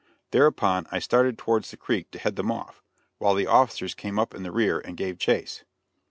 Thereupon, I started towards the creek to head them off, while the officers came up in the rear and gave chase.